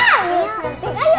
kita main sepeda